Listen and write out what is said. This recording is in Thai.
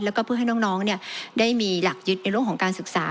แล้วก็เพื่อให้น้องได้มีหลักยึดในเรื่องของการศึกษา